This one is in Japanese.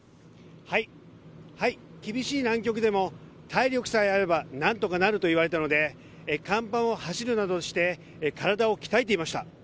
厳しい南極でも体力さえあれば何とかなると言われたので甲板を走るなどして体を鍛えていました。